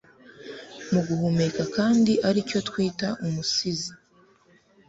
Muguhumeka kandi aricyo twita umusizi